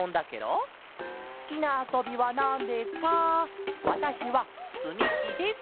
「すきなあそびはなんですか？わたしはつみきです」。